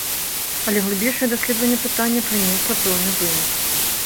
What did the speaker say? Але глыбейшае даследаванне пытання прынесла пэўны вынік.